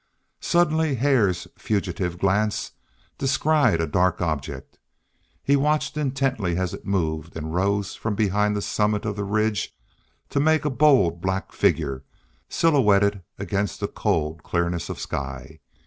Suddenly Hare's fugitive glance descried a dark object; he watched intently as it moved and rose from behind the summit of the ridge to make a bold black figure silhouetted against the cold clearness of sky.